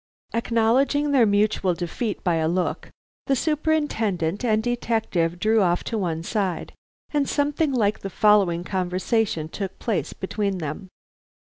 Acknowledging their mutual defeat by a look, the Superintendent and detective drew off to one side, and something like the following conversation took place between them.